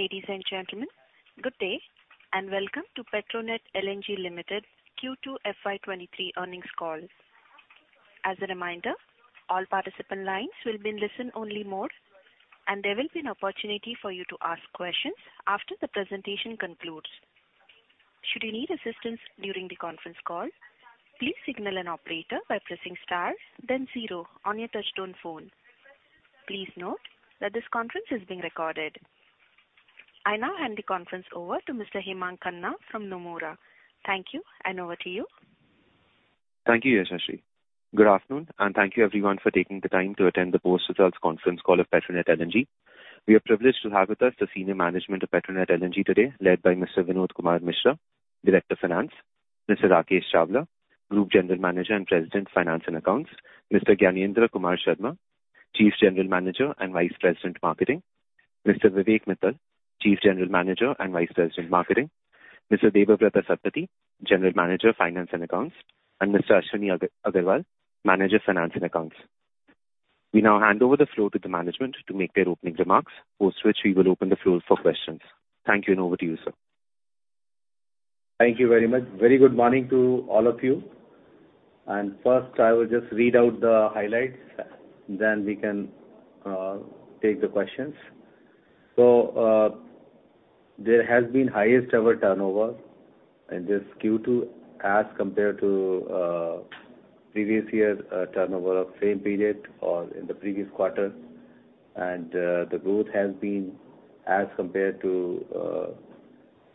Ladies and gentlemen, good day, and welcome to Petronet LNG Limited Q2 FY23 earnings call. As a reminder, all participant lines will be in listen-only mode, and there will be an opportunity for you to ask questions after the presentation concludes. Should you need assistance during the conference call, please signal an operator by pressing star then zero on your touchtone phone. Please note that this conference is being recorded. I now hand the conference over to Mr. Hemang Khanna from Nomura. Thank you, and over to you. Thank you, Yashashree. Good afternoon, and thank you everyone for taking the time to attend the post results conference call of Petronet LNG. We are privileged to have with us the senior management of Petronet LNG today, led by Mr. Vinod Kumar Mishra, Director Finance, Mr. Rakesh Chawla, Group General Manager and President, Finance and Accounts, Mr. Gyanendra Kumar Sharma, Chief General Manager and Vice President, Marketing, Mr. Vivek Mittal, Chief General Manager and Vice President, Marketing, Mr. Debabrata Satpathy, General Manager, Finance and Accounts, and Mr. Ashwani Agarwal, Manager, Finance and Accounts. We now hand over the floor to the management to make their opening remarks, post which we will open the floor for questions. Thank you, and over to you, sir. Thank you very much. Very good morning to all of you. First, I will just read out the highlights, then we can take the questions. There has been highest ever turnover in this Q2 as compared to previous year's turnover of same period or in the previous quarter. The growth has been as compared to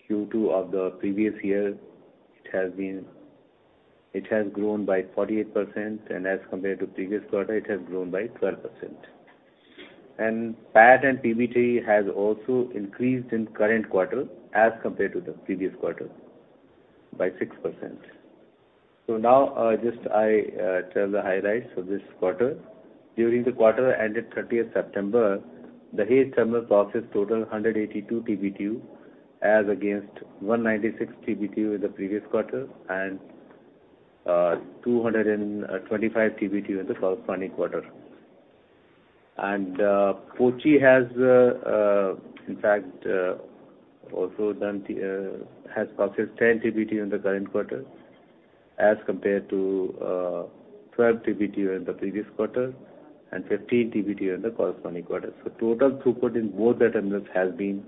Q2 of the previous year. It has grown by 48%, and as compared to previous quarter, it has grown by 12%. PAT and PBT has also increased in current quarter as compared to the previous quarter by 6%. Now, just I tell the highlights of this quarter. During the quarter ended 30th September, Dahej terminal processed total 182 TBtu as against 196 TBtu in the previous quarter and 225 TBtu in the corresponding quarter. Kochi has processed 10 TBtu in the current quarter as compared to 12 TBtu in the previous quarter and 15 TBtu in the corresponding quarter. Total throughput in both the terminals has been,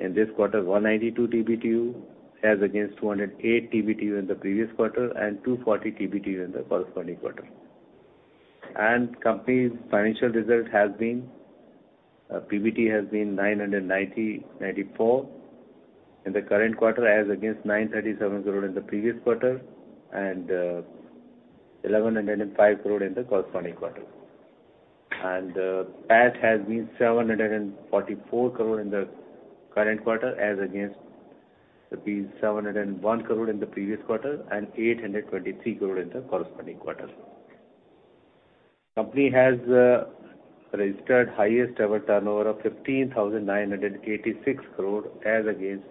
in this quarter, 192 TBtu as against 208 TBtu in the previous quarter and 240 TBtu in the corresponding quarter. The company's financial result has been. PBT has been 994 crore in the current quarter as against 937 crore in the previous quarter and 1,105 crore in the corresponding quarter. PAT has been 744 crore in the current quarter as against 701 crore in the previous quarter and 823 crore in the corresponding quarter. Company has registered highest ever turnover of 15,986 crore as against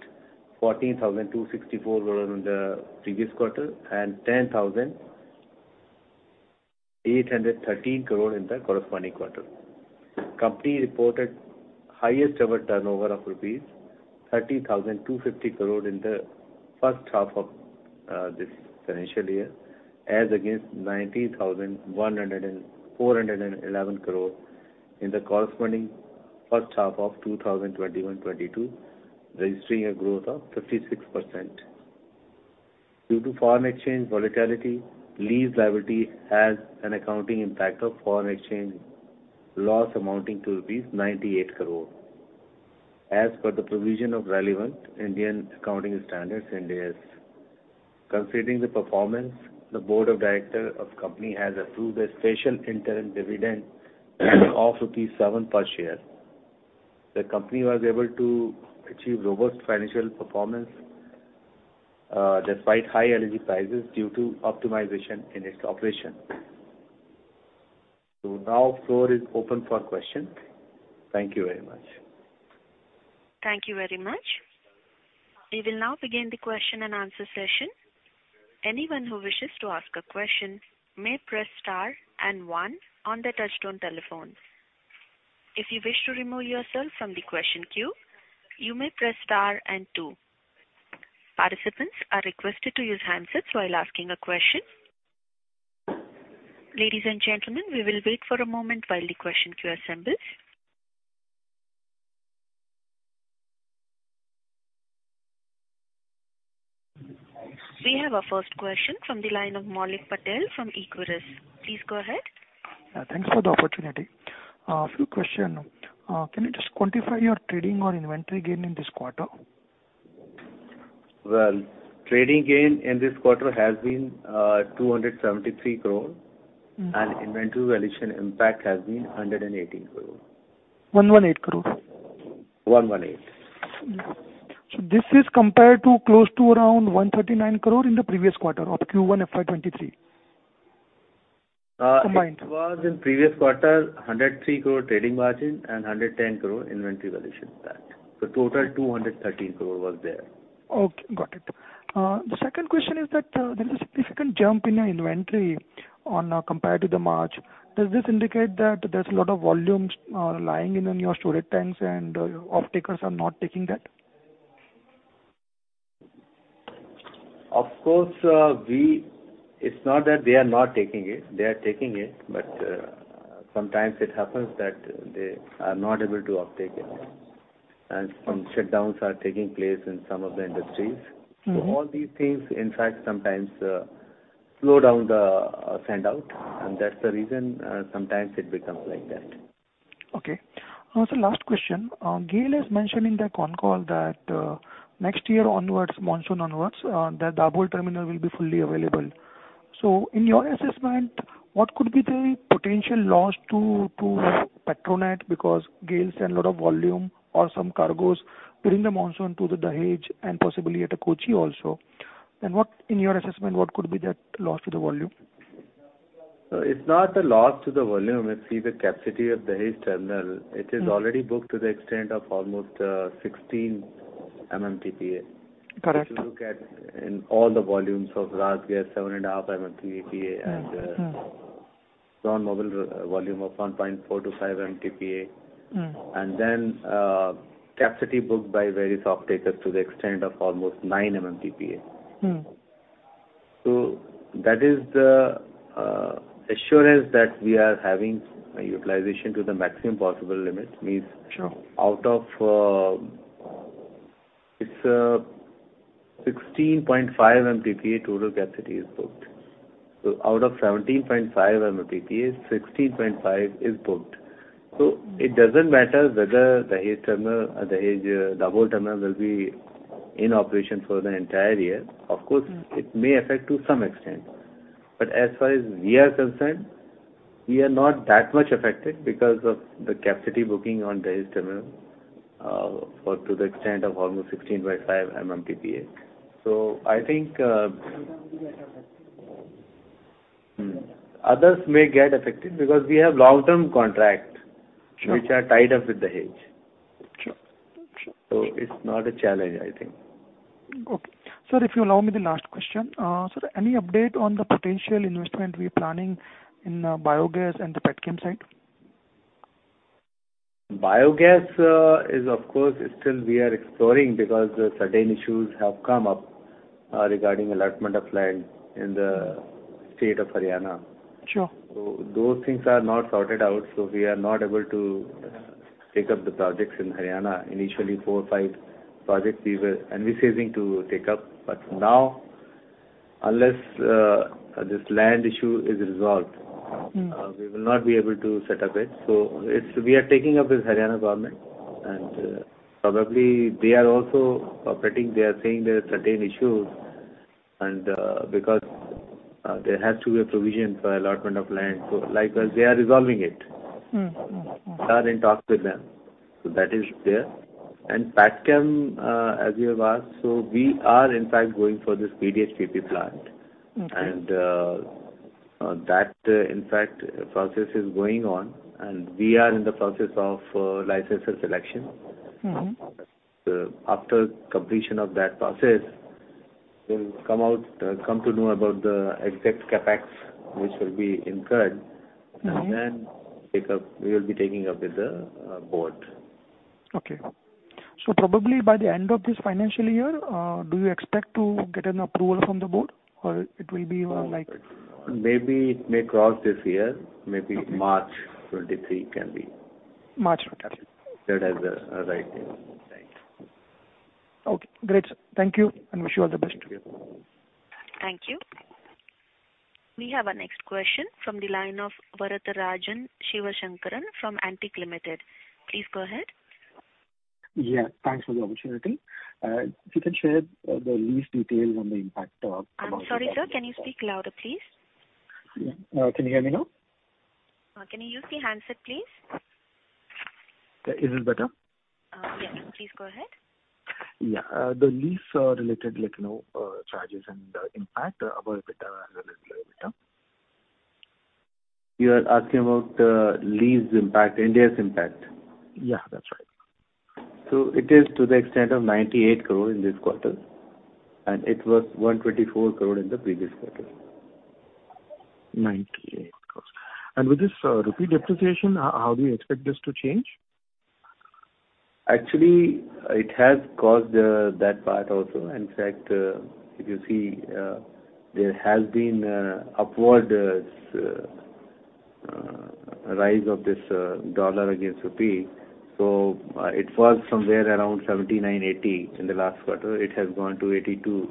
14,264 crore in the previous quarter and 10,813 crore in the corresponding quarter. Company reported highest ever turnover of rupees 30,250 crore in the H1 of this financial year as against INR 19,411 crore in the corresponding H1 of 2021-2022, registering a growth of 56%. Due to foreign exchange volatility, lease liability has an accounting impact of foreign exchange loss amounting to rupees 98 crore as per the provision of relevant Indian accounting standards, Ind AS. Considering the performance, the Board of Directors of the company has approved a special interim dividend of rupees 7 per share. The company was able to achieve robust financial performance despite high LNG prices due to optimization in its operation. Now the floor is open for questions. Thank you very much. Thank you very much. We will now begin the question-and-answer session. Anyone who wishes to ask a question may press star and one on their touchtone telephones. If you wish to remove yourself from the question queue, you may press star and two. Participants are requested to use handsets while asking a question. Ladies and gentlemen, we will wait for a moment while the question queue assembles. We have our first question from the line of Maulik Patel from Equirus. Please go ahead. Yeah, thanks for the opportunity. A few questions. Can you just quantify your trading or inventory gain in this quarter? Well, trading gain in this quarter has been 273 crore and inventory valuation impact has been 118 crore. 118 crore? One one eight. This is compared to close to around 139 crore in the previous quarter of Q1 FY 2023 combined? It was in previous quarter, 103 crore trading margin and 110 crore inventory valuation impact. Total 213 crore was there. Okay, got it. The second question is that there is a significant jump in your inventory compared to the March. Does this indicate that there's a lot of volumes lying in your storage tanks and offtakers are not taking that? Of course, it's not that they are not taking it. They are taking it, but sometimes it happens that they are not able to offtake it, and some shutdowns are taking place in some of the industries. All these things, in fact, sometimes slow down the send out, and that's the reason sometimes it becomes like that. Okay. Sir, last question. GAIL is mentioning in their con call that, next year onwards, monsoon onwards, the Dabhol terminal will be fully available. In your assessment, what could be the potential loss to Petronet because GAIL sell a lot of volume or some cargos during the monsoon to the Dahej and possibly at Kochi also? In your assessment, what could be that loss to the volume? It's not a loss to the volume. If you see the capacity of Dahej terminal. It is already booked to the extent of almost 16 MMTPA. Correct. If you look at in all the volumes of RasGas, 7.5 MMTPA and on mobile volume of 1.4-7 MTPA. Capacity booked by various offtakers to the extent of almost 9 MMTPA. That is the assurance that we are having a utilization to the maximum possible limit. Means out of its 16.5 MTPA total capacity is booked. Out of 17.5 MTPA, 16.5 is booked. It doesn't matter whether Dahej terminal or Dahej, Dabhol terminal will be in operation for the entire year. Of course it may affect to some extent, but as far as we are concerned, we are not that much affected because of the capacity booking on Dahej terminal for to the extent of almost 16.5 MMTPA. I think others may get affected because we have long-term contract which are tied up with Dahej. It's not a challenge, I think. Okay. Sir, if you allow me the last question. Sir, any update on the potential investment we're planning in biogas and the petchem side? Biogas is of course still we are exploring because certain issues have come up regarding allotment of land in the state of Haryana. Those things are not sorted out, so we are not able to take up the projects in Haryana. Initially, four, five projects we were envisaging to take up, but now, unless this land issue is resolved. We will not be able to set up it. We are taking up with Haryana government, and probably they are also operating. They are saying there are certain issues and because there has to be a provision for allotment of land. Likewise, they are resolving it in talks with them, so that is there. Petchem, as you have asked, so we are in fact going for this PDH/PP plant. That, in fact, process is going on, and we are in the process of licensor selection. After completion of that process, we'll come to know about the exact CapEx which will be incurred. We will be taking up with the board. Okay. Probably by the end of this financial year, do you expect to get an approval from the board, or it will be like? Maybe it may cross this year. Maybe March 2023 can be. March 2023. That has a right time. Right. Okay. Great. Thank you and wish you all the best. Thank you. Thank you. We have our next question from the line of Varatharajan Sivasankaran from Antique Limited. Please go ahead. Yeah. Thanks for the opportunity. If you can share the lease detail on the impact of- I'm sorry, sir. Can you speak louder, please? Yeah. Can you hear me now? Can you use the handset, please? Is it better? Yes. Please go ahead. Yeah, the lease-related, like, you know, charges and impact on EBITDA as well as revenue? You are asking about lease impact, Ind AS impact? Yeah, that's right. It is to the extent of 98 crore in this quarter, and it was 124 crore in the previous quarter. 98 crore. With this rupee depreciation, how do you expect this to change? Actually, it has caused that part also. In fact, if you see, there has been upward rise of this dollar against rupee. It was somewhere around 79-80 in the last quarter. It has gone to 82+.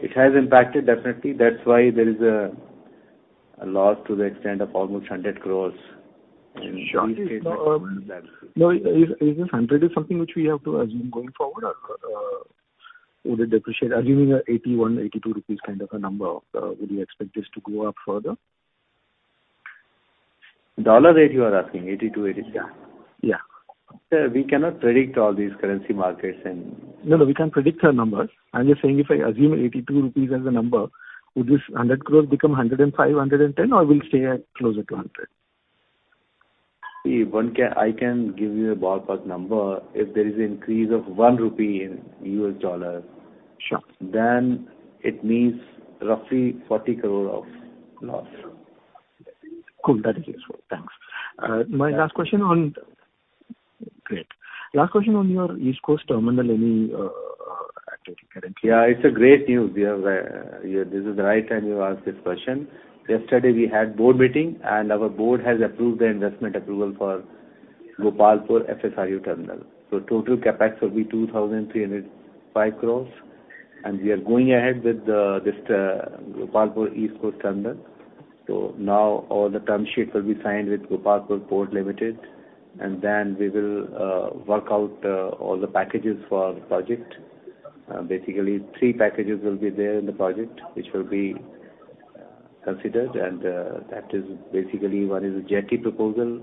It has impacted definitely. That's why there is a loss to the extent of almost 100 crore in lease payment. Sure. Is the 100 crore something which we have to assume going forward or would it depreciate assuming a 81, 82 rupees kind of a number, would you expect this to go up further? Dollar rate you are asking, 82, 80? Yeah. Yeah. Sir, we cannot predict all these currency markets. No, no, we can't predict the numbers. I'm just saying if I assume 82 rupees as a number, would this 100 crore become 105 crore, 110 crore or will stay at closer to 100 crore? I can give you a ballpark number. If there is an increase of one rupee in U.S. dollar. It means roughly 40 crore of loss. Cool. That is useful. Thanks. Great. Last question on your East Coast terminal, any activity currently? Yeah, it's great news. We are. Yeah, this is the right time you ask this question. Yesterday, we had board meeting, and our board has approved the investment approval for Gopalpur FSRU terminal. Total CapEx will be 2,305 crores, and we are going ahead with this Gopalpur East Coast terminal. Now all the term sheets will be signed with Gopalpur Port Limited, and then we will work out all the packages for the project. Basically three packages will be there in the project, which will be considered, and that is basically what is a jetty proposal.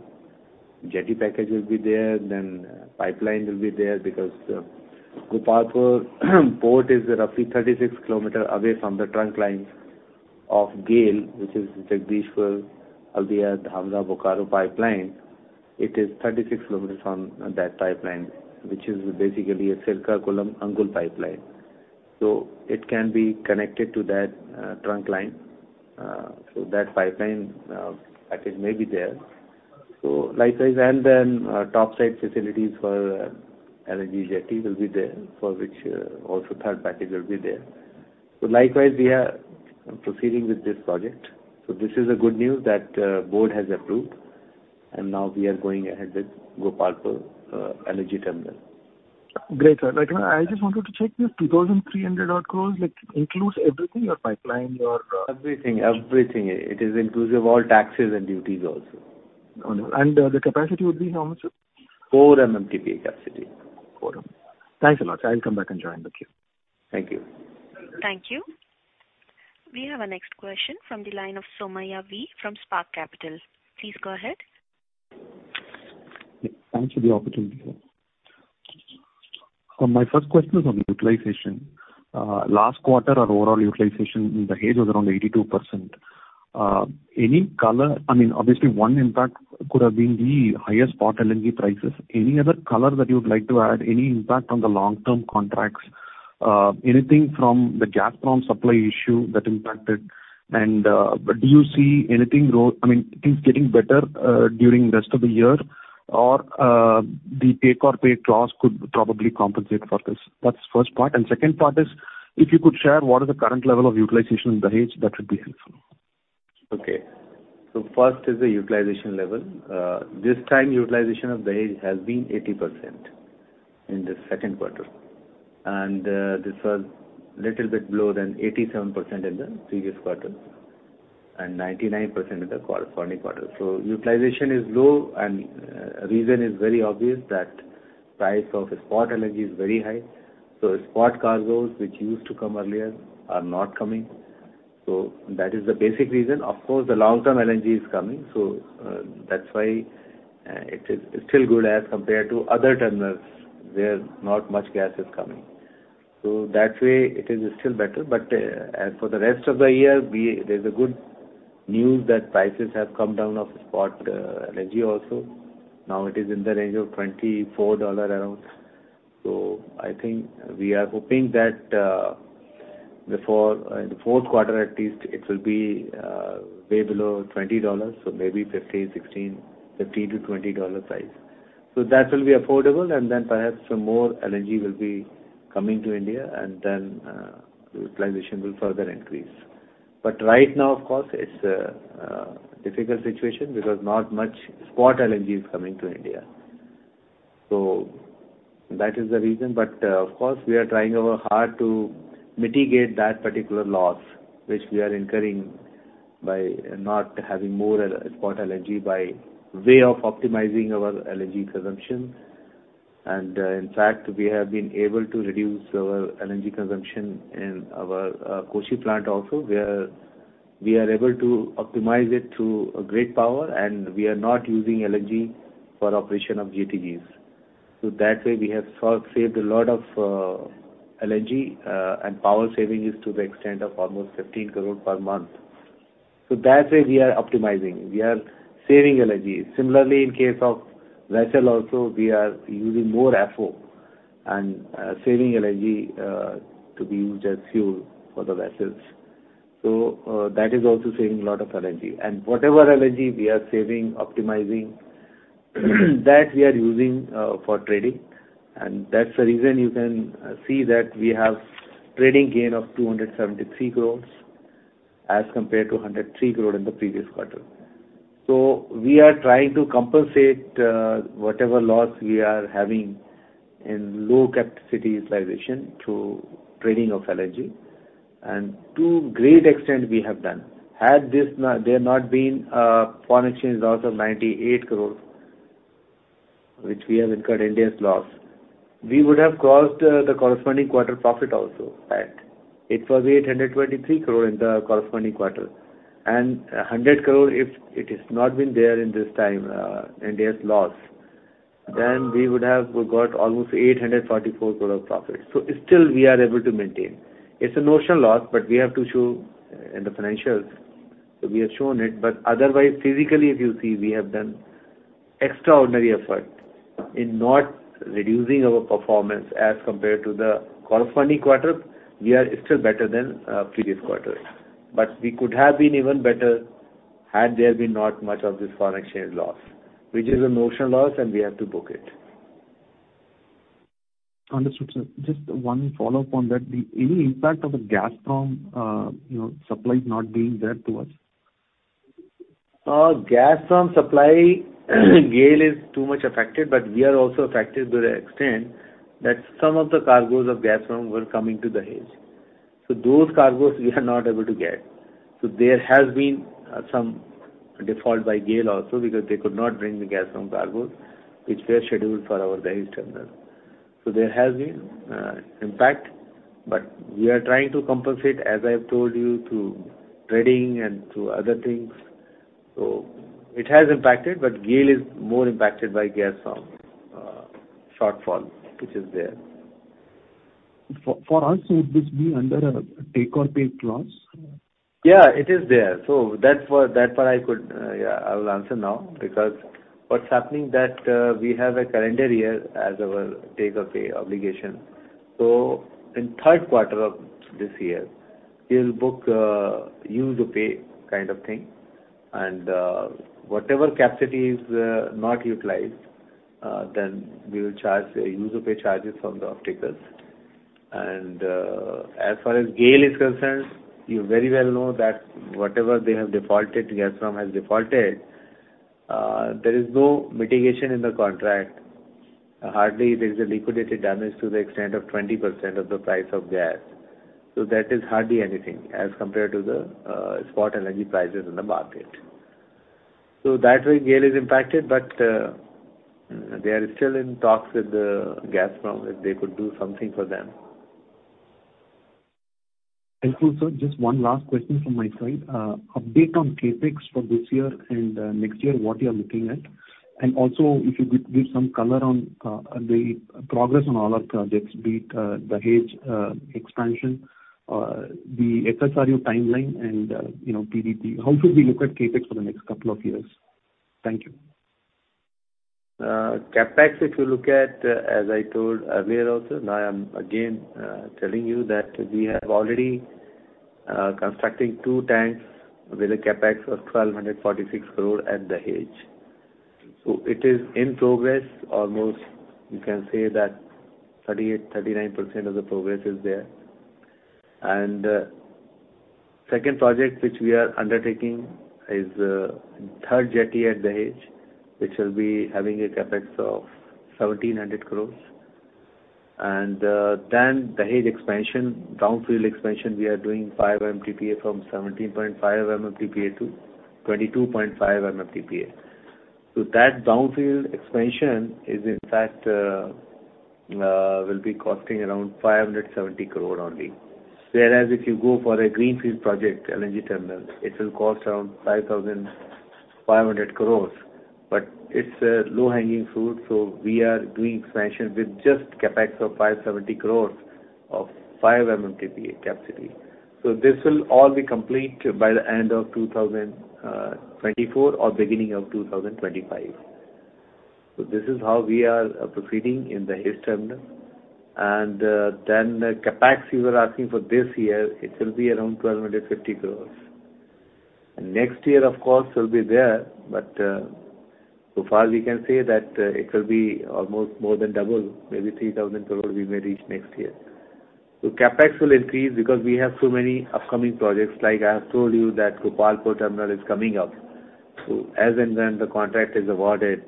Jetty package will be there. Then pipeline will be there because the Gopalpur Port is roughly 36 km away from the trunk lines of GAIL, which is Jagdishpur-Haldia & Bokaro-Dhamra Pipeline. It is 36 km from that pipeline, which is basically a Srikakulam-Angul pipeline. It can be connected to that trunk line. That pipeline package may be there. Likewise, and then top side facilities for LNG jetty will be there, for which also third package will be there. Likewise, we are proceeding with this project. This is good news that board has approved, and now we are going ahead with Gopalpur LNG terminal. Great. I just wanted to check this 2,300-odd crore, like, includes everything, your pipeline? Or- Everything. It is inclusive all taxes and duties also. Wonderful. The capacity would be how much, sir? 4 MMTPA capacity. 4 MM. Thanks a lot. I'll come back and join the queue. Thank you. Thank you. We have our next question from the line of Somaiya V from Spark Capital. Please go ahead. Thanks for the opportunity, sir. My first question is on utilization. Last quarter, our overall utilization in Dahej was around 82%. Any color I mean obviously one impact could have been the higher spot LNG prices. Any other color that you would like to add, any impact on the long-term contracts, anything from the Gazprom supply issue that impacted? Do you see anything I mean things getting better during rest of the year? The take-or-pay clause could probably compensate for this. That's first part, and second part is if you could share what is the current level of utilization in Dahej, that would be helpful. Okay. First is the utilization level. This time, utilization of Dahej has been 80% in the Q2. This was little bit lower than 87% in the previous quarter, and 99% in the corresponding quarter. Utilization is low, and reason is very obvious that price of spot LNG is very high. Spot cargos, which used to come earlier, are not coming. That is the basic reason. Of course, the long-term LNG is coming, so that's why it is still good as compared to other terminals where not much gas is coming. That way it is still better. As for the rest of the year, there's a good news that prices have come down of spot LNG also. Now it is in the range of $24 around. I think we are hoping that, in the Q4 at least, it will be way below $20, so maybe $15, $16, $15-$20 price. That will be affordable, and then perhaps some more LNG will be coming to India, and then utilization will further increase. Right now, of course, it's a difficult situation because not much spot LNG is coming to India. That is the reason. Of course, we are trying hard to mitigate that particular loss, which we are incurring by not having more spot LNG by way of optimizing our LNG consumption. In fact, we have been able to reduce our LNG consumption in our Kochi plant also, where we are able to optimize it through grid power, and we are not using LNG for operation of GTGs. That way, we have saved a lot of LNG and power savings to the extent of almost 15 crore per month. That's why we are optimizing. We are saving LNG. Similarly, in case of vessel also, we are using more FO and saving LNG to be used as fuel for the vessels. That is also saving a lot of LNG. Whatever LNG we are saving, optimizing, that we are using for trading. That's the reason you can see that we have trading gain of 273 crores as compared to 103 crore in the previous quarter. We are trying to compensate whatever loss we are having in low-capacity utilization through trading of LNG. To great extent, we have done. Had there not been foreign exchange loss of 98 crore, which we have incurred in this loss, we would have crossed the corresponding quarter profit also. In fact, it was 823 crore in the corresponding quarter. 100 crore, if it has not been there in this time, in this loss then we would have got almost 844 crore profits. Still, we are able to maintain. It's a notional loss, but we have to show in the financials. We have shown it, but otherwise physically, if you see, we have done extraordinary effort in not reducing our performance as compared to the corresponding quarter. We are still better than previous quarter. We could have been even better had there been not much of this foreign exchange loss, which is a notional loss, and we have to book it. Understood, sir. Just one follow-up on that. Any impact of the Gazprom, you know, supply not being there to us? Gazprom supply, GAIL is too much affected, but we are also affected to the extent that some of the cargoes of Gazprom were coming to Dahej. Those cargoes we are not able to get. There has been some default by GAIL also because they could not bring the Gazprom cargoes, which were scheduled for our Dahej terminal. There has been impact, but we are trying to compensate, as I have told you, through trading and through other things. It has impacted, but GAIL is more impacted by Gazprom shortfall, which is there. For us, would this be under a take or pay clause? It is there. That's what, that part I could, I will answer now because what's happening that, we have a calendar year as our take or pay obligation. In Q3 of this year, we'll book, use or pay kind of thing, and, whatever capacity is not utilized, then we will charge a use or pay charges from the off-takers. As far as GAIL is concerned, you very well know that whatever they have defaulted, Gazprom has defaulted, there is no mitigation in the contract. Hardly there is a liquidated damage to the extent of 20% of the price of gas. That is hardly anything as compared to the spot LNG prices in the market. That way, GAIL is impacted, but they are still in talks with the Gazprom, if they could do something for them. Thank you, sir. Just one last question from my side. Update on CapEx for this year and next year, what you are looking at. Also, if you could give some color on the progress on all our projects, be it Dahej expansion, the FSRU timeline and you know, PDH/PP. How should we look at CapEx for the next couple of years? Thank you. CapEx, if you look at, as I told earlier also, now I am again telling you that we have already constructing two tanks with a CapEx of 1,246 crore at Dahej. It is in progress. Almost you can say that 38%-39% of the progress is there. Second project which we are undertaking is third jetty at Dahej, which will be having a CapEx of 1,700 crore. Dahej expansion, downstream expansion, we are doing 5 MTPA from 17.5 MMTPA to 22.5 MMTPA. That downstream expansion is in fact will be costing around 570 crore only. Whereas if you go for a greenfield project LNG terminal, it will cost around 5,500 crore, but it's a low-hanging fruit, so we are doing expansion with just CapEx of 570 crore of 5 MMTPA capacity. This will all be complete by the end of 2024 or beginning of 2025. This is how we are proceeding in Dahej terminal. CapEx you were asking for this year, it will be around 1,250 crore. Next year, of course, will be there, but so far we can say that it will be almost more than double, maybe 3,000 crore we may reach next year. CapEx will increase because we have so many upcoming projects. Like I have told you that Gopalpur terminal is coming up. As and when the contract is awarded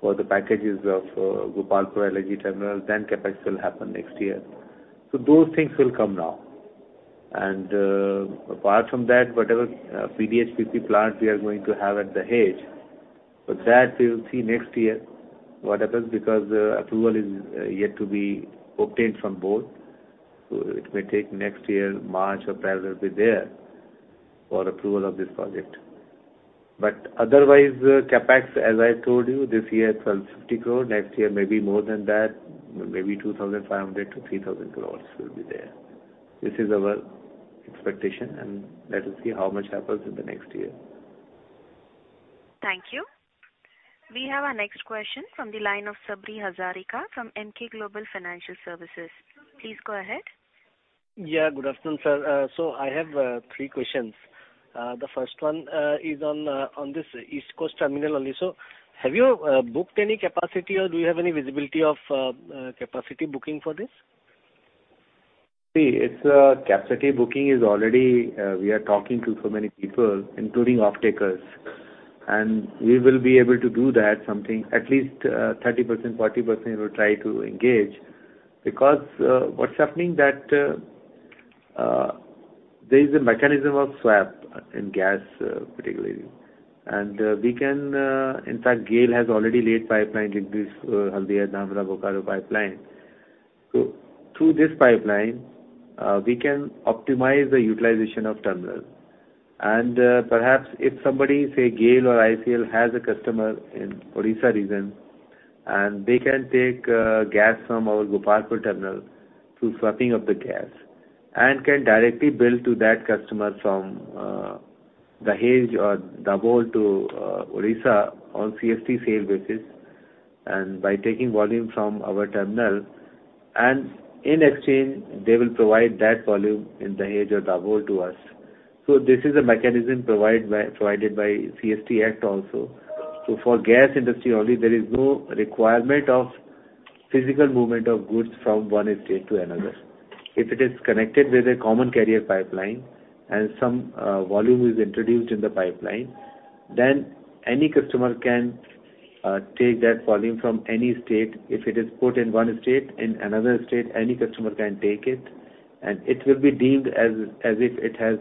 for the packages of Gopalpur LNG terminal, CapEx will happen next year. Those things will come now. Apart from that, whatever PDH/PP plant we are going to have at Dahej. That we will see next year what happens because approval is yet to be obtained from both. It may take next year, March or April will be there for approval of this project. Otherwise, CapEx, as I told you, this year 1,250 crore. Next year maybe more than that, maybe 2,500-3,000 crores will be there. This is our expectation, and let us see how much happens in the next year. Thank you. We have our next question from the line of Sabri Hazarika from Emkay Global Financial Services. Please go ahead. Yeah, good afternoon, sir. I have three questions. The first one is on this East Coast terminal only. Have you booked any capacity or do you have any visibility of capacity booking for this? See, it's capacity booking is already. We are talking to so many people, including off-takers, and we will be able to do that something at least 30%, 40%. We will try to engage because what's happening that there is a mechanism of swap in gas, particularly. We can, in fact, GAIL has already laid pipeline like this, Haldia-Dhamra-Bokaro pipeline. Through this pipeline, we can optimize the utilization of terminals. Perhaps if somebody, say, GAIL or IOCL has a customer in Odisha region, and they can take gas from our Gopalpur terminal through swapping of the gas, and can directly bill to that customer from Dahej or Dabhol to Odisha on CST sale basis, and by taking volume from our terminal. In exchange, they will provide that volume in Dahej or Dabhol to us. This is a mechanism provided by CST Act also. For gas industry only, there is no requirement of physical movement of goods from one state to another. If it is connected with a common carrier pipeline and some volume is introduced in the pipeline, then any customer can take that volume from any state. If it is put in one state, in another state, any customer can take it, and it will be deemed as if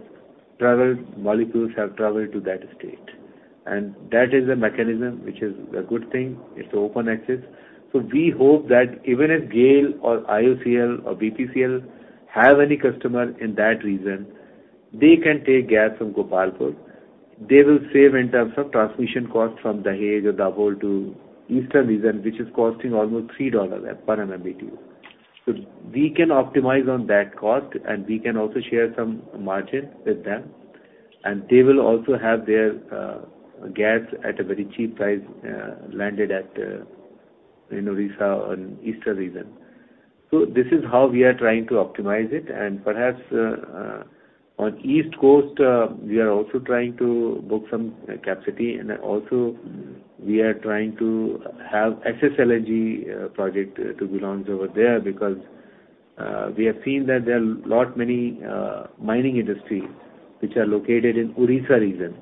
molecules have traveled to that state. That is a mechanism which is a good thing. It's open access. We hope that even if GAIL or IOCL or BPCL have any customer in that region, they can take gas from Gopalpur. They will save in terms of transmission costs from Dahej or Dabhol to eastern region, which is costing almost $3 per MMBtu. We can optimize on that cost, and we can also share some margin with them. They will also have their gas at a very cheap price, landed at in Odisha or eastern region. This is how we are trying to optimize it. Perhaps on east coast, we are also trying to book some capacity, and also we are trying to have SS LNG project to be launched over there because we have seen that there are lot many mining industry which are located in Odisha region.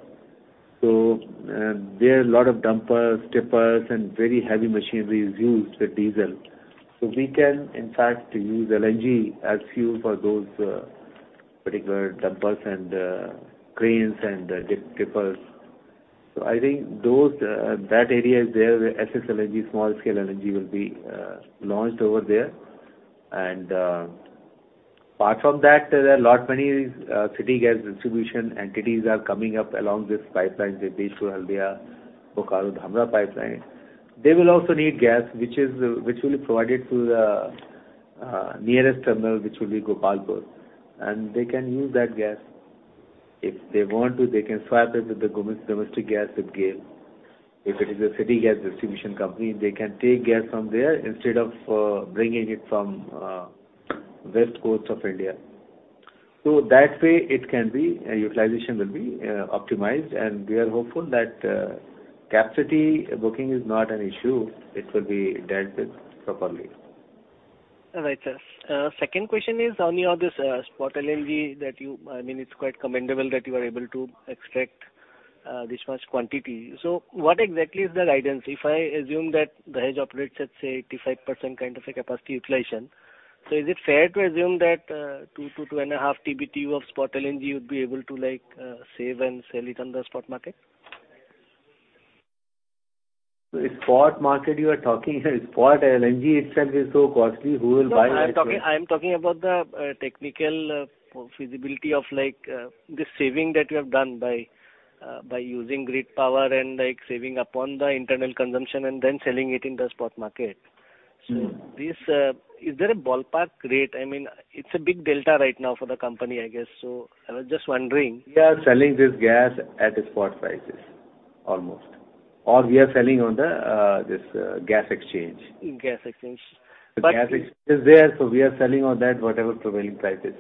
There are a lot of dumpers, tippers, and very heavy machinery is used with diesel. We can, in fact, use LNG as fuel for those particular dumpers and cranes and tippers. I think that area is there where SS LNG, small-scale LNG, will be launched over there. Apart from that, there are lot many city gas distribution entities are coming up along this pipeline, Jagdishpur-Haldia & Bokaro-Dhamra pipeline. They will also need gas, which will be provided through the nearest terminal, which will be Gopalpur. They can use that gas. If they want to, they can swap it with the domestic gas with GAIL. If it is a city gas distribution company, they can take gas from there instead of bringing it from West Coast of India. That way it can be utilization will be optimized, and we are hopeful that capacity booking is not an issue. It will be dealt with properly. All right, sir. Second question is on your spot LNG that you—I mean, it's quite commendable that you are able to extract this much quantity. What exactly is the guidance? If I assume that Dahej operates at, say, 85% kind of a capacity utilization, is it fair to assume that 2-2.5 TBtu of spot LNG you'd be able to, like, save and sell it on the spot market? The spot market you are talking about here, spot LNG itself is so costly. Who will buy that way? No, I am talking about the technical feasibility of, like, the saving that you have done by using grid power and, like, saving upon the internal consumption and then selling it in the spot market. Is there a ballpark rate? I mean, it's a big delta right now for the company, I guess. I was just wondering. We are selling this gas at spot prices almost, or we are selling on the gas exchange. Gas exchange? The gas exchange is there, so we are selling on that whatever prevailing price is.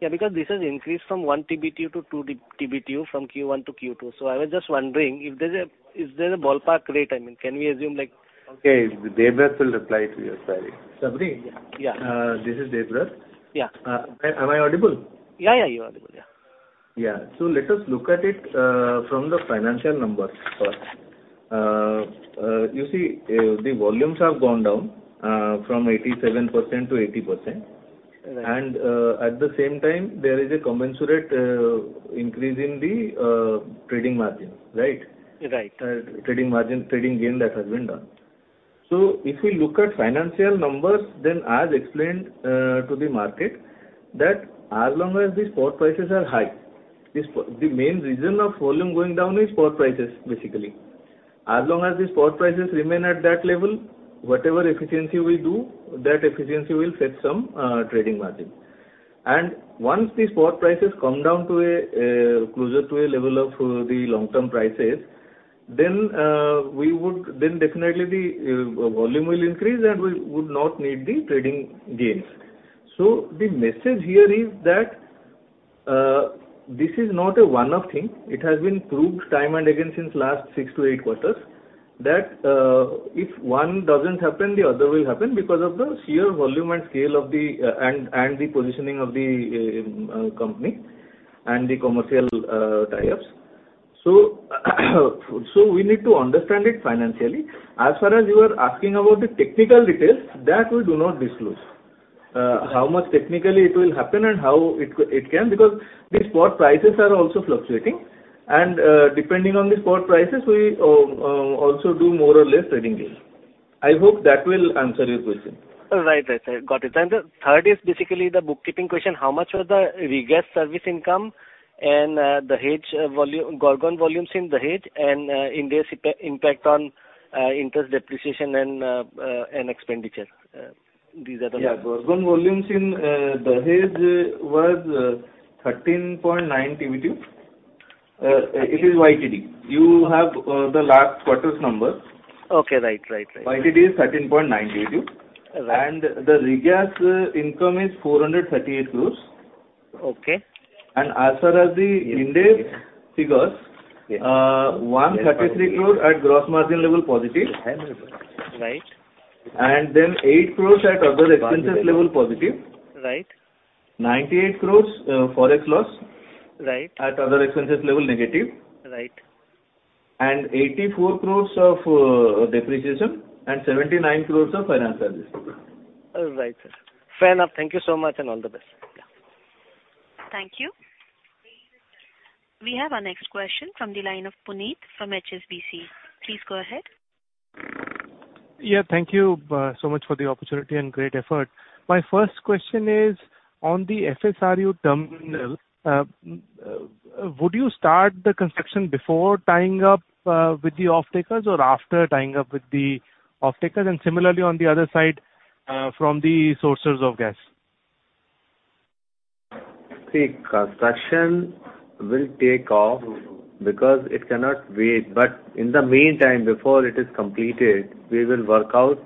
Yeah, because this has increased from 1 TBtu to 2 TBtu from Q1 to Q2. I was just wondering, is there a ballpark rate? I mean, can we assume like? Okay. Debabrata will reply to you. Sorry. Sabri? Yeah. This is Debabrata. Yeah. Am I audible? Yeah. You're audible. Yeah. Let us look at it from the financial numbers first. You see, the volumes have gone down from 87% to 80%. At the same time, there is a commensurate increase in the trading margin. Right? Trading margin, trading gain that has been done. If we look at financial numbers, then as explained to the market, that as long as the spot prices are high, the main reason of volume going down is spot prices, basically. As long as the spot prices remain at that level, whatever efficiency we do, that efficiency will fetch some trading margin. Once the spot prices come down to a closer to a level of the long-term prices, then we would then definitely the volume will increase, and we would not need the trading gains. The message here is that this is not a one-off thing. It has been proved time and again since last six to eight quarters that if one doesn't happen, the other will happen because of the sheer volume and scale of the and the positioning of the company and the commercial tie-ups. We need to understand it financially. As far as you are asking about the technical details, that we do not disclose. How much technically it will happen and how it can, because the spot prices are also fluctuating. Depending on the spot prices, we also do more or less trading deals. I hope that will answer your question. Right. Right, sir. Got it. The third is basically the bookkeeping question. How much was the regas service income and the hedge volume, Gorgon volumes in Dahej and Ind AS impact on interest depreciation and expenditure? Yeah. Gorgon volumes in Dahej was 13.9 TBtu. It is YTD. You have the last quarter's numbers. Okay. Right. YTD is 13.9 TBtu. The regas income is 438 crore. As far as the index figures. 133 crore at gross margin level positive. 8 crore at other expenses level positive. 98 crore Forex loss. At other expenses level negative. 84 crores of depreciation and 79 crores of finance charges. All right, sir. Fair enough. Thank you so much, and all the best. Yeah. Thank you. We have our next question from the line of Puneet from HSBC. Please go ahead. Yeah. Thank you so much for the opportunity and great effort. My first question is on the FSRU terminal. Would you start the construction before tying up with the off-takers or after tying up with the off-takers? Similarly on the other side, from the sources of gas. See, construction will take off because it cannot wait. In the meantime, before it is completed, we will work out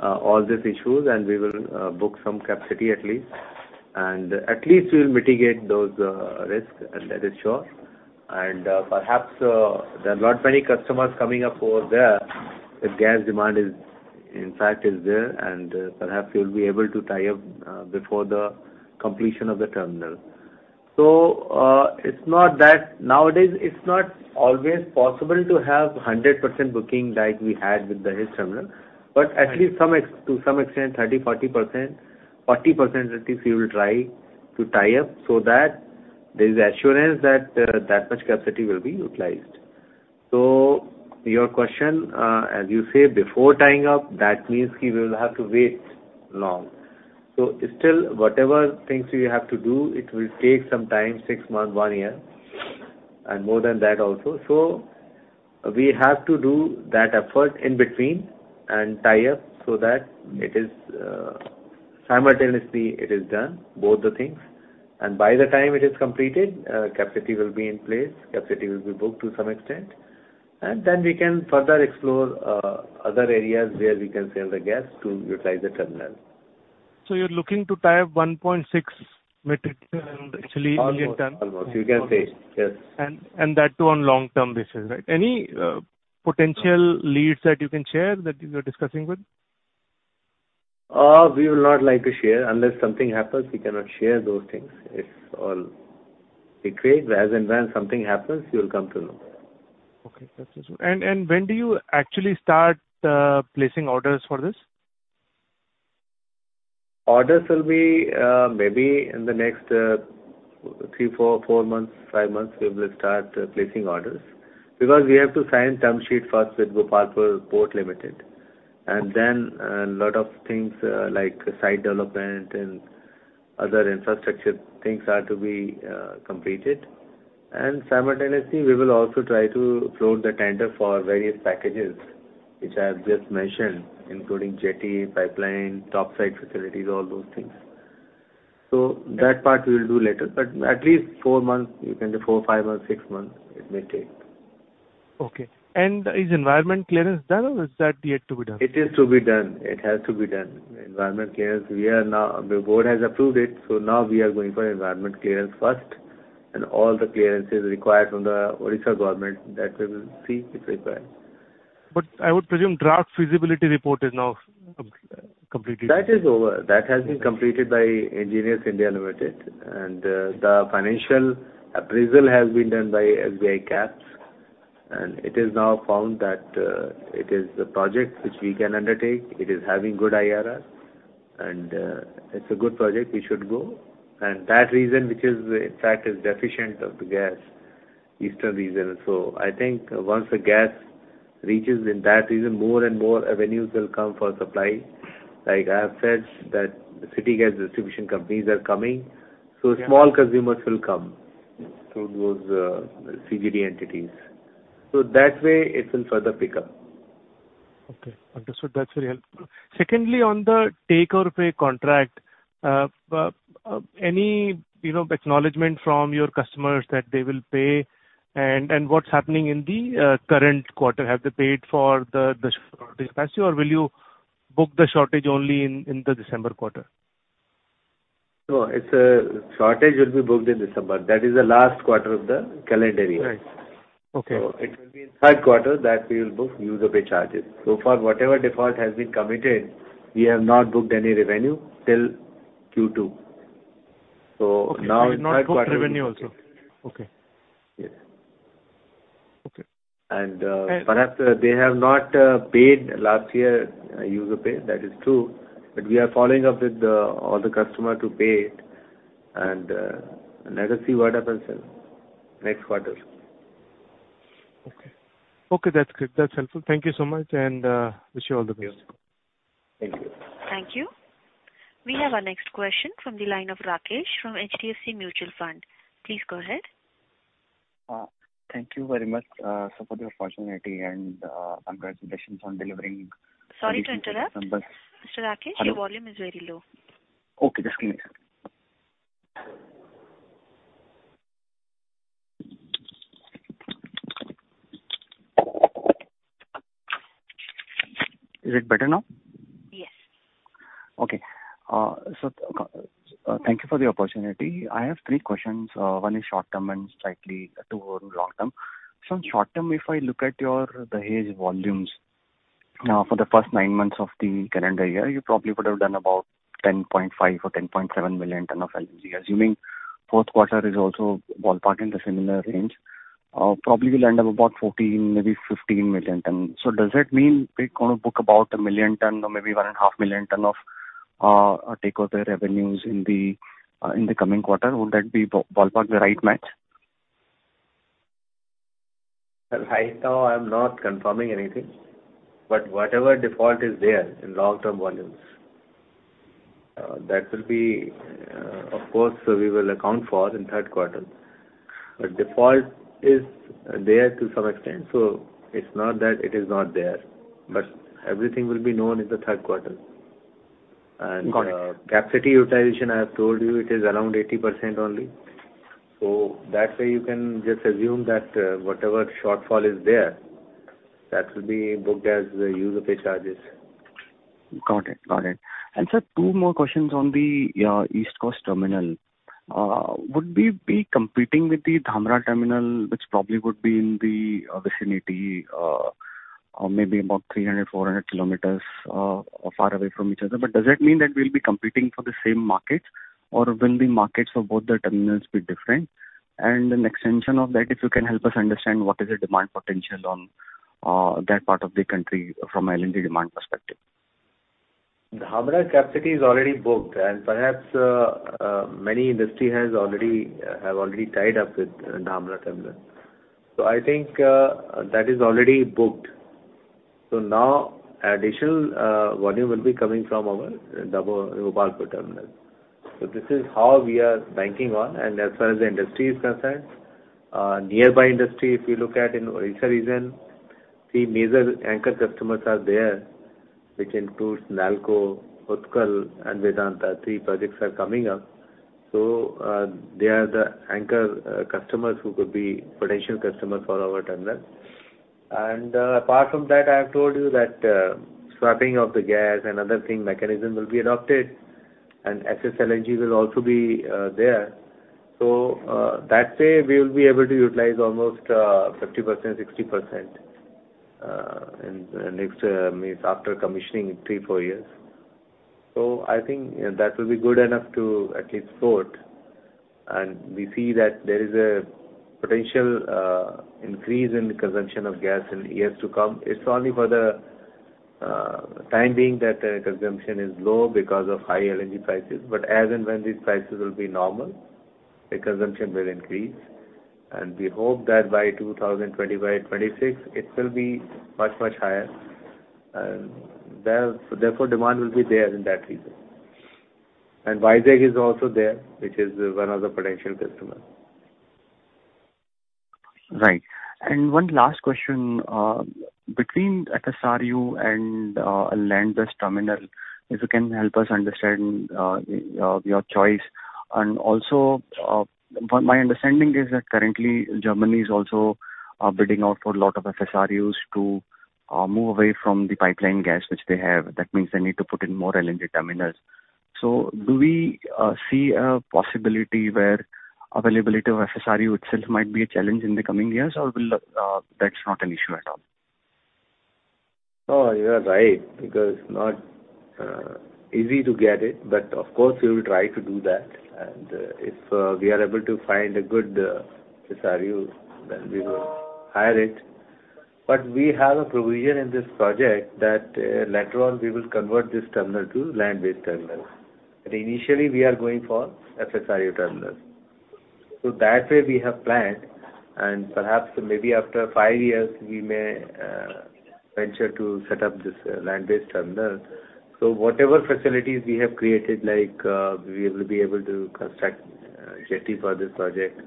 all these issues, and we will book some capacity at least. At least we will mitigate those risks, and that is sure. Perhaps there are not many customers coming up over there. The gas demand is, in fact, there. Perhaps we'll be able to tie up before the completion of the terminal. It's not that. Nowadays, it's not always possible to have 100% booking like we had with Dahej terminal. At least some to some extent, 30%, 40% at least we will try to tie up so that there is assurance that that much capacity will be utilized. Your question, as you say before tying up, that means we will have to wait long. Still, whatever things we have to do, it will take some time, six months, one year, and more than that also. We have to do that effort in between and tie up so that it is, simultaneously it is done, both the things. By the time it is completed, capacity will be in place, capacity will be booked to some extent, and then we can further explore, other areas where we can sell the gas to utilize the terminal. You're looking to tie up 1.6 metric ton, actually million ton. Almost, you can say. Yes. That too on long-term basis, right? Any potential leads that you can share that you are discussing with? We will not like to share. Unless something happens, we cannot share those things. It's all secret. As and when something happens, you will come to know. Okay. That's useful. When do you actually start placing orders for this? Orders will be, maybe in the next three, four months, five months, we will start placing orders because we have to sign term sheet first with Gopalpur Port Limited. Then a lot of things, like site development and other infrastructure things are to be completed. Simultaneously, we will also try to float the tender for various packages, which I have just mentioned, including jetty, pipeline, topsides facilities, all those things. That part we'll do later, but at least four months, you can say four, five or six months it may take. Okay. Is environmental clearance done or is that yet to be done? It is to be done. It has to be done. Environmental clearance, we are now, the board has approved it, so now we are going for environmental clearance first and all the clearances required from the Odisha government that we will see if required. I would presume draft feasibility report is now completed. That is over. That has been completed by Engineers India Limited. The financial appraisal has been done by SBI Caps. It is now found that it is the project which we can undertake. It is having good IRR and it's a good project. We should go. That region which in fact is deficient of the gas, eastern region. I think once the gas reaches in that region, more and more avenues will come for supply. Like I have said that city gas distribution companies are coming, so small consumers will come through those, CGD entities. That way it will further pick up. Okay. Understood. That's really helpful. Secondly, on the take or pay contract, any, you know, acknowledgement from your customers that they will pay and what's happening in the current quarter? Have they paid for the shortage capacity, or will you book the shortage only in the December quarter? No, it's shortage will be booked in December. That is the last quarter of the calendar year. Right. Okay. It will be in Q3 that we will book use-or-pay charges. So far, whatever default has been committed, we have not booked any revenue till Q2. Now in Q3. Okay. You've not booked revenue also. Okay. Yes. Perhaps they have not paid last year, user pay. That is true. We are following up with all the customer to pay, and let us see what happens in next quarter. Okay. Okay, that's good. That's helpful. Thank you so much, and wish you all the best. Thank you. Thank you. We have our next question from the line of Rakesh from HDFC Mutual Fund. Please go ahead. Thank you very much, sir, for the opportunity and congratulations on delivering. Sorry to interrupt. December. Mr. Rakesh, your volume is very low. Okay, just give me a second. Is it better now? Yes. Okay. Thank you for the opportunity. I have three questions. One is short-term and two are long term. In short term, if I look at your Dahej volumes, for the first nine months of the calendar year, you probably would have done about 10.5 or 10.7 million ton of LNG. Assuming Q4 is also ballpark in the similar range, probably you'll end up about 14, maybe 15 million ton. Does that mean we're gonna book about 1 million ton or maybe 1.5 million ton of take off the revenues in the coming quarter? Would that be ballpark the right match? Right now I'm not confirming anything, but whatever default is there in long-term volumes, that will be, of course we will account for in Q3. Default is there to some extent, so it's not that it is not there. Everything will be known in the Q3. Got it. Capacity utilization, I have told you it is around 80% only. That way you can just assume that, whatever shortfall is there, that will be booked as user pay charges. Got it. Sir, two more questions on your East Coast terminal. Would we be competing with the Dhamra terminal, which probably would be in the vicinity, or maybe about 300, 400 km far away from each other? Does it mean that we'll be competing for the same markets, or will the markets for both the terminals be different? An extension of that, if you can help us understand what is the demand potential on that part of the country from LNG demand perspective? Dhamra capacity is already booked, and perhaps many industries have already tied up with Dhamra terminal. I think that is already booked. Now additional volume will be coming from our Gopalpur terminal. This is how we are banking on. As far as the industry is concerned, nearby industries, if you look at in Odisha region, the major anchor customers are there, which includes NALCO, Utkal and Vedanta. Three projects are coming up. They are the anchor customers who could be potential customers for our terminal. Apart from that, I have told you that swapping of the gas and other thing mechanism will be adopted, and FSRU LNG will also be there. That way we will be able to utilize almost 50%, 60% in the next months after commissioning in three, four years. I think, you know, that will be good enough to at least float. We see that there is a potential increase in the consumption of gas in years to come. It's only for the time being that the consumption is low because of high LNG prices. As and when these prices will be normal, the consumption will increase. We hope that by 2020, by 2026, it will be much, much higher. Therefore, demand will be there in that region. Vizag is also there, which is one of the potential customers. Right. One last question. Between FSRU and a land-based terminal, if you can help us understand your choice. Also, but my understanding is that currently Germany is also bidding out for a lot of FSRUs to move away from the pipeline gas which they have. That means they need to put in more LNG terminals. Do we see a possibility where availability of FSRU itself might be a challenge in the coming years, or that's not an issue at all? You are right, because it's not easy to get it, but of course we will try to do that. If we are able to find a good FSRU, then we will hire it. We have a provision in this project that later on we will convert this terminal to land-based terminal. Initially we are going for FSRU terminal. That way we have planned, and perhaps maybe after five years we may venture to set up this land-based terminal. Whatever facilities we have created, like, we will be able to construct jetty for this project,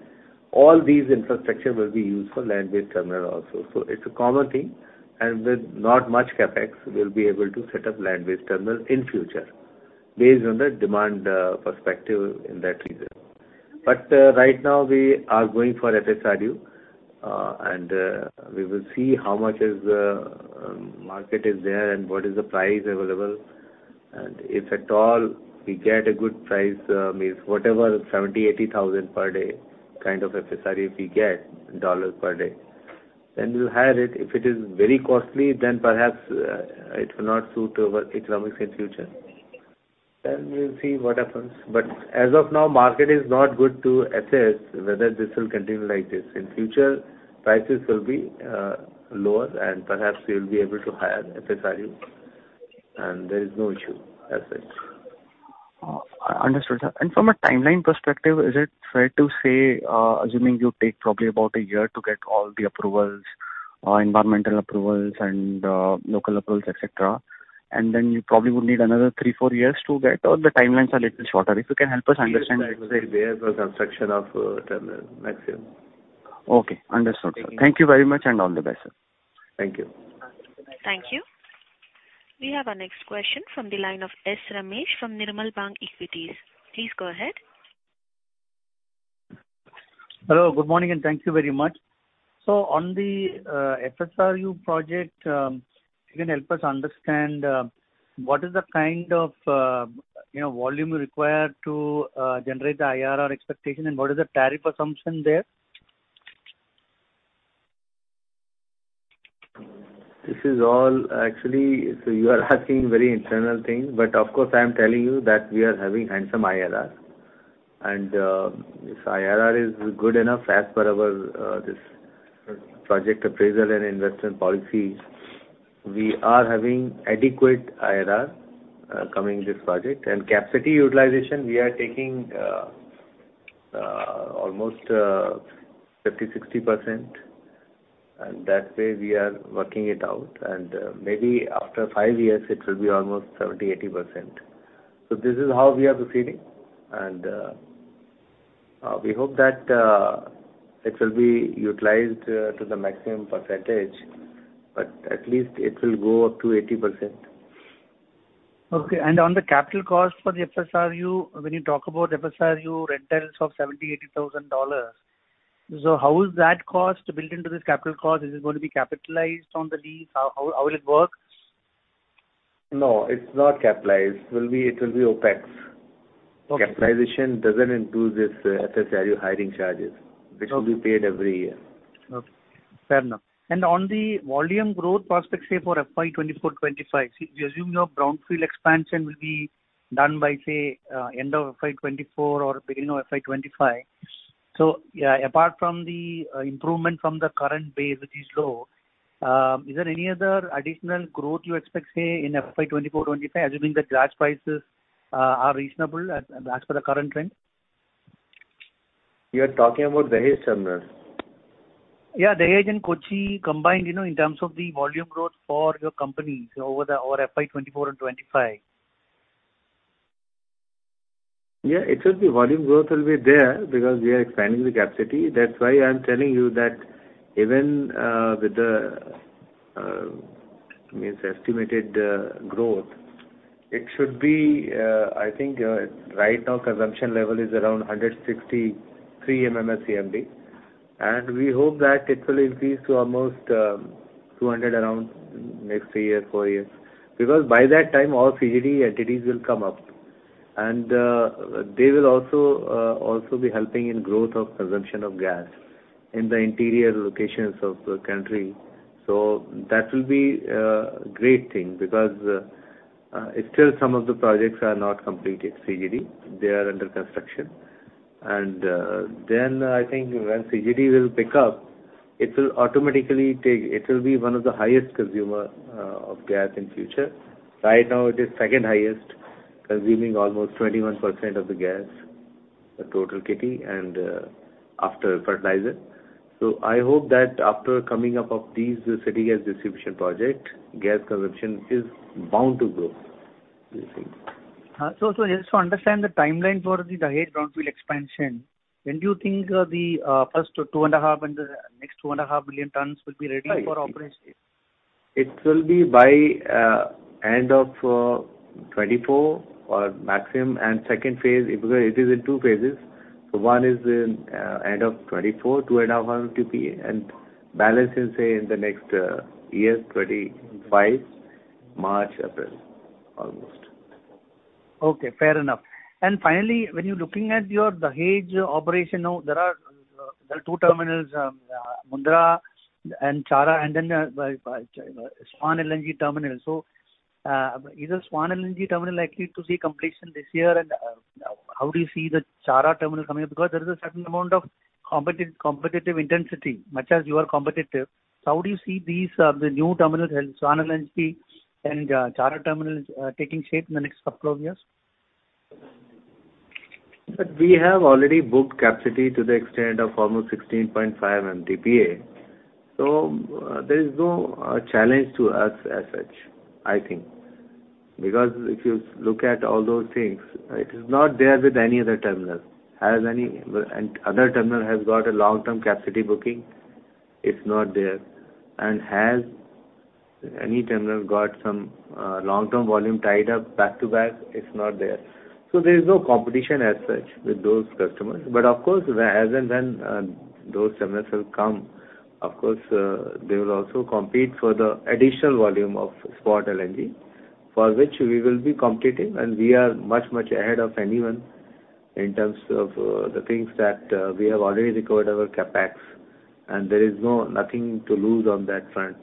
all these infrastructure will be used for land-based terminal also. It's a common thing. With not much CapEx, we'll be able to set up land-based terminal in future based on the demand perspective in that region. Right now we are going for FSRU, and we will see how much market is there and what is the price available. If at all we get a good price, means whatever 70,000-80,000 per day kind of FSRU if we get, dollars per day, then we'll hire it. If it is very costly, then perhaps it will not suit our economics in future. We'll see what happens. As of now, market is not good to assess whether this will continue like this. In future, prices will be lower and perhaps we will be able to hire FSRU and there is no issue as such. Understood, sir. From a timeline perspective, is it fair to say, assuming you take probably about a year to get all the approvals, environmental approvals and local approvals, et cetera, and then you probably would need another three, four years to get, or the timelines are little shorter. If you can help us understand- Three, five years for construction of terminal maximum. Okay, understood, sir. Thank you very much and all the best, sir. Thank you. Thank you. We have our next question from the line of S Ramesh from Nirmal Bang Equities. Please go ahead. Hello, good morning, and thank you very much. On the FSRU project, if you can help us understand what is the kind of, you know, volume required to generate the IRR expectation and what is the tariff assumption there? This is all actually. You are asking very internal thing, but of course, I am telling you that we are having handsome IRR. This IRR is good enough as per our this project appraisal and investment policies. We are having adequate IRR coming this project. Capacity utilization, we are taking almost 50%, 60%, and that way we are working it out. Maybe after five years it will be almost 70%, 80%. This is how we are proceeding, and we hope that it will be utilized to the maximum percentage, but at least it will go up to 80%. Okay. On the capital cost for the FSRU, when you talk about FSRU rentals of 70,000-80,000 dollars, so how is that cost built into this capital cost? Is it gonna be capitalized on the lease? How will it work? No, it's not capitalized. It will be OpEx. Capitalization doesn't include this, FSRU hiring charges which will be paid every year. Okay. Fair enough. On the volume growth prospects, say for FY 2024/2025, see, we assume your brownfield expansion will be done by, say, end of FY 2024 or beginning of FY 2025. Yeah, apart from the improvement from the current base, which is low, is there any other additional growth you expect say in FY 2024/2025, assuming the gas prices are reasonable as per the current trend? You are talking about Dahej terminal? Yeah, Dahej and Kochi combined, you know, in terms of the volume growth for your company over FY 2024 and 2025. Yeah, it will be, volume growth will be there because we are expanding the capacity. That's why I'm telling you that even with the estimated growth, it should be. I think right now consumption level is around 163 MMSCMD, and we hope that it will increase to almost 200 MMSCMD around next three years, four years. Because by that time, all CGD entities will come up, and they will also be helping in growth of consumption of gas in the interior locations of the country. That will be a great thing because still some of the projects are not completed, CGD. They are under construction. I think when CGD will pick up, it will be one of the highest consumers of gas in future. Right now it is second highest, consuming almost 21% of the gas, the total kitty and, after fertilizer. I hope that after coming up of these city gas distribution project, gas consumption is bound to grow, we think. Just to understand the timeline for the Dahej brownfield expansion, when do you think the first 2.5 billion tons and the next 2.5 billion tons will be ready for operation? It will be by end of 2024 or maximum. Second phase, it is in two phases. One is in end of 2024, 2.5 MTPA, and balance is, say, in the next year, 2025, March, April, almost. Okay, fair enough. Finally, when you're looking at your Dahej operation now, there are two terminals, Mundra and Chhara, and then the Swan LNG terminal. Is the Swan LNG terminal likely to see completion this year? How do you see the Chhara terminal coming up? Because there is a certain amount of competitive intensity, much as you are competitive. How do you see these new terminals, Swan LNG and Chhara terminals, taking shape in the next couple of years? We have already booked capacity to the extent of almost 16.5 MTPA. There is no challenge to us as such, I think. Because if you look at all those things, it is not there with any other terminal. Has any other terminal got a long-term capacity booking? It's not there. Has any terminal got some long-term volume tied up back to back? It's not there. There is no competition as such with those customers. Of course, as and when those terminals will come, of course, they will also compete for the additional volume of spot LNG, for which we will be competing, and we are much, much ahead of anyone. In terms of the things that we have already recovered our CapEx, and there is nothing to lose on that front.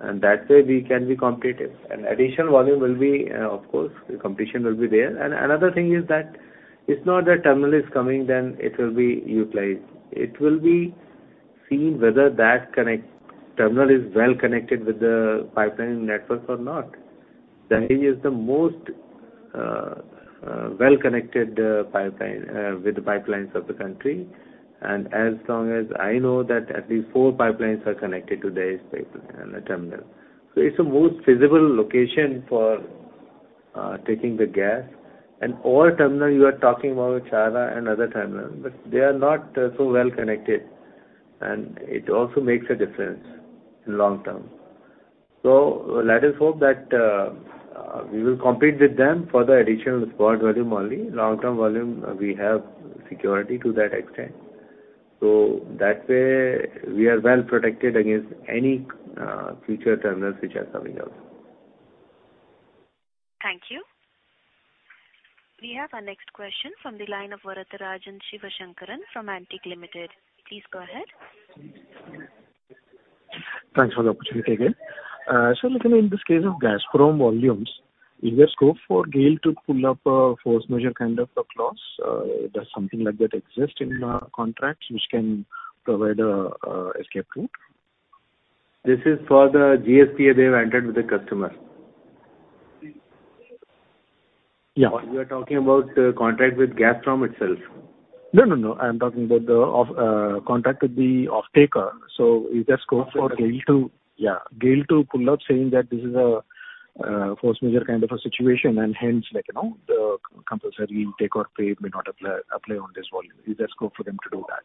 That way we can be competitive. Additional volume will be, of course, the competition will be there. Another thing is that it's not that terminal is coming, then it will be utilized. It will be seen whether that terminal is well connected with the pipeline network or not. Dahej is the most well-connected terminal with the pipelines of the country. As long as I know that at least four pipelines are connected to Dahej terminal. It's the most feasible location for taking the gas. All the terminals you are talking about, Chhara and other terminals, but they are not so well connected, and it also makes a difference in long term. Let us hope that we will compete with them for the additional spot volume only. Long-term volume, we have security to that extent. That way we are well protected against any future terminals which are coming up. Thank you. We have our next question from the line of Varatharajan Sivasankaran from Antique Limited. Please go ahead. Thanks for the opportunity again. Looking in this case of Gazprom volumes, is there scope for GAIL to pull up a force majeure kind of a clause? Does something like that exist in contracts which can provide an escape route? This is for the GSPA they have entered with the customer. You are talking about the contract with Gazprom itself? No, no. I am talking about the offtake contract with the offtaker. Is there scope for GAIL to GAIL to pull up saying that this is a force majeure kind of a situation, and hence, like, you know, the compulsory take or pay may not apply on this volume. Is there scope for them to do that?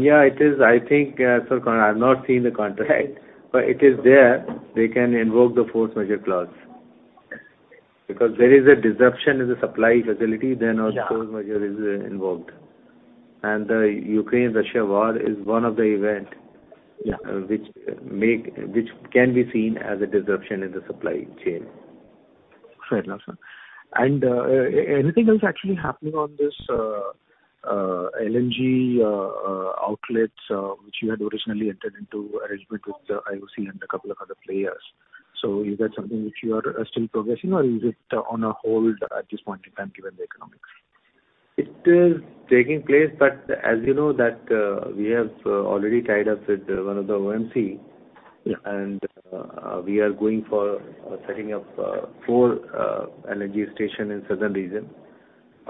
Yeah, it is. I think, I've not seen the contract, but it is there. They can invoke the force majeure clause. Because there is a disruption in the supply facility, then also force majeure is invoked. The Ukraine-Russia war is one of the events which can be seen as a disruption in the supply chain. Fair enough, sir. Anything else actually happening on this LNG outlets, which you had originally entered into arrangement with IOCL and a couple of other players. Is that something which you are still progressing or is it on a hold at this point in time, given the economics? It is taking place, but as you know that we have already tied up with one of the OMC. We are going for setting up 4 LNG station in southern region.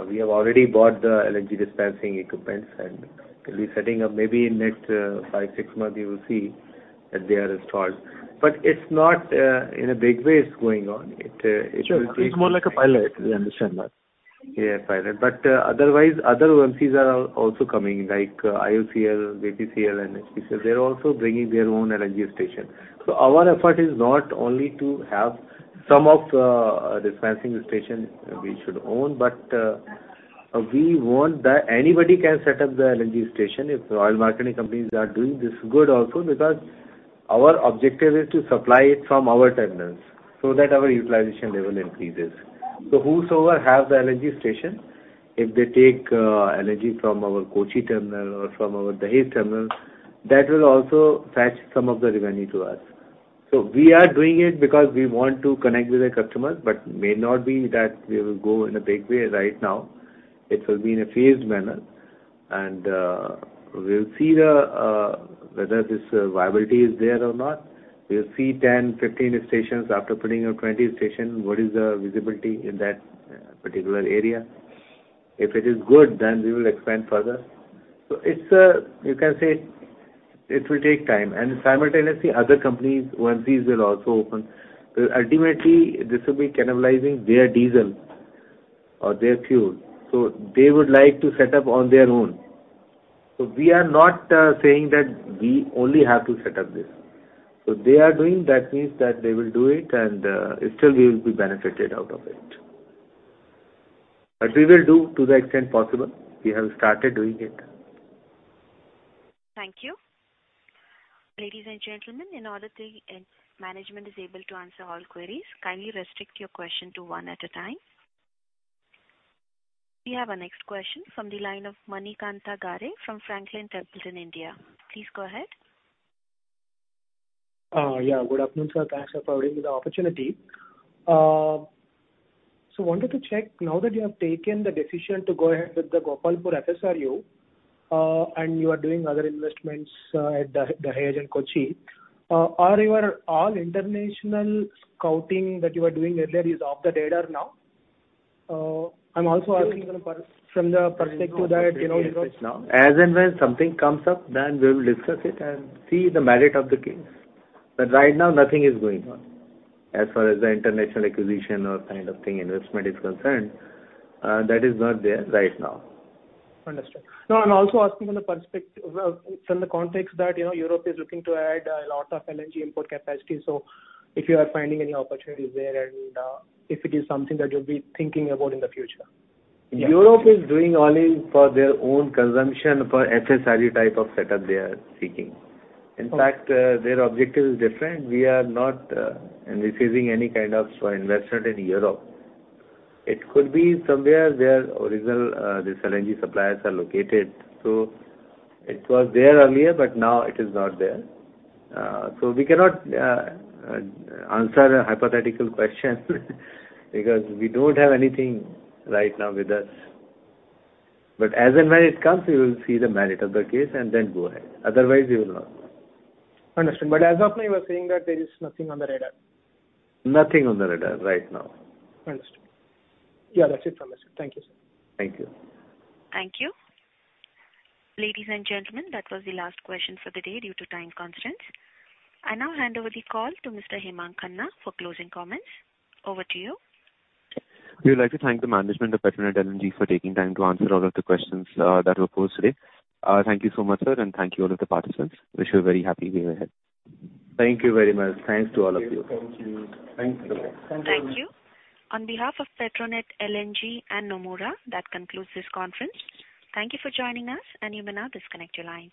We have already bought the LNG dispensing equipments and will be setting up maybe in next five, six months you will see that they are installed. It's not in a big way. It's going on. It will take. Sure. It's more like a pilot. Yeah, understand that. Yeah, pilot. Otherwise, other OMCs are also coming, like IOCL, BPCL and HPCL. They're also bringing their own LNG station. Our effort is not only to have some of dispensing station we should own, but we want that anybody can set up the LNG station. If oil marketing companies are doing this, good also because our objective is to supply it from our terminals so that our utilization level increases. Whosoever have the LNG station, if they take LNG from our Kochi terminal or from our Dahej terminal, that will also fetch some of the revenue to us. We are doing it because we want to connect with the customers but may not be that we will go in a big way right now. It will be in a phased manner. We'll see whether this viability is there or not. We'll see 10, 15 stations. After putting up 20 stations, what is the visibility in that particular area? If it is good, then we will expand further. It's, you can say it will take time. Simultaneously other companies, OMCs will also open. Ultimately, this will be cannibalizing their diesel or their fuel, so they would like to set up on their own. We are not saying that we only have to set up this. They are doing, that means that they will do it and still we will be benefited out of it. We will do to the extent possible. We have started doing it. Thank you. Ladies and gentlemen, in order that the management is able to answer all queries, kindly restrict your question to one at a time. We have our next question from the line of Manikantha Garre from Franklin Templeton India. Please go ahead. Yeah. Good afternoon, sir. Thanks for providing me the opportunity. Wanted to check, now that you have taken the decision to go ahead with the Gopalpur FSRU, and you are doing other investments at Dahej and Kochi, are all your international scouting that you were doing earlier off the radar now? I'm also asking from the perspective that, you know, Europe As and when something comes up, then we will discuss it and see the merit of the case. Right now, nothing is going on as far as the international acquisition or kind of thing investment is concerned, that is not there right now. Understood. No, I'm also asking from the perspective, from the context that, you know, Europe is looking to add a lot of LNG import capacity, so if you are finding any opportunities there and if it is something that you'll be thinking about in the future. Europe is doing only for their own consumption. For FSRU type of setup they are seeking. In fact, their objective is different. We are not envisaging any kind of investment in Europe. It could be somewhere where originally these LNG suppliers are located. It was there earlier, but now it is not there. We cannot answer a hypothetical question because we don't have anything right now with us. As and when it comes, we will see the merit of the case and then go ahead. Otherwise, we will not. Understood. As of now you are saying that there is nothing on the radar. Nothing on the radar right now. Understood. Yeah. That's it from my side. Thank you, sir. Thank you. Thank you. Ladies and gentlemen, that was the last question for the day due to time constraints. I now hand over the call to Mr. Hemang Khanna for closing comments. Over to you. We would like to thank the management of Petronet LNG for taking time to answer all of the questions that were posed today. Thank you so much, sir, and thank you all of the participants. Wish you a very happy day ahead. Thank you very much. Thanks to all of you. Thank you. Thanks. Thank you. On behalf of Petronet LNG and Nomura, that concludes this conference. Thank you for joining us, and you may now disconnect your lines.